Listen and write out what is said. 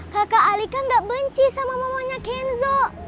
kakak alika gak benci sama mamanya kenzo